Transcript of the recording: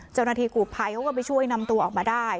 เจ้าหน้าที่คู่ภัยเขาก็ไปช่วยนำตัวออกมาได้